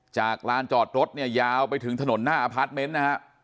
จากร้านจอดรถยาวไปถึงถนหน้าอพาร์ทเมนต์นะฮะ